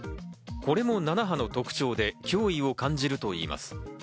これも７波の特徴で脅威を感じるといいます。